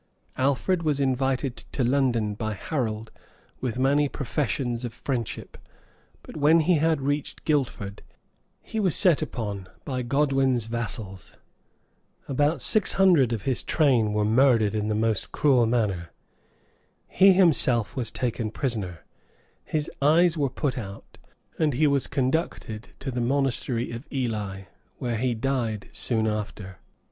Alfred was invited to London by Harold with many professions of friendship; but when he had reached Guilford, he was set upon by Godwin's vassals, about six hundred of his train were murdered in the most cruel manner, he himself was taken prisoner, his eyes were put out, and he was conducted to the monastery of Ely, where he died soon after.